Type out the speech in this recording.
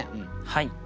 はい。